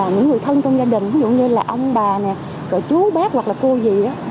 những người thân trong gia đình ví dụ như là ông bà chú bác hoặc là cô gì